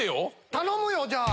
頼むよじゃあ。